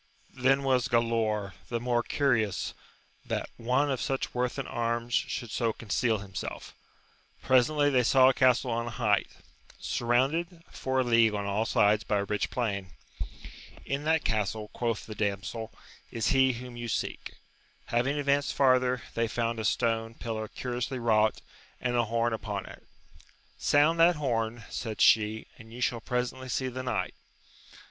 Then was Galaor the more curious that one of such worth in arms should so con ceal himself Presently they saw a castle on a height, surrounded for a league on all sides by a rich plain. In that castle, quoth the damsel, is he whom you seek. Having advanced farther^ they ^Q\SL\i<i^^<^\i^ 224 AMADIS OF GAUL. pillar curiously wrought, and a horn upon it. Sound that horn, said she, and you shall presently see the knight.